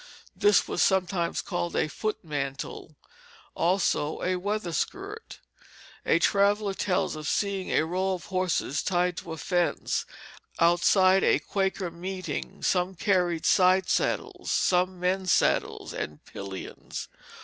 This was sometimes called a foot mantle, also a weather skirt. A traveller tells of seeing a row of horses tied to a fence outside a Quaker meeting. Some carried side saddles, some men's saddles and pillions.